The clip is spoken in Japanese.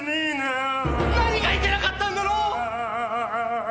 何がいけなかったんだろう！？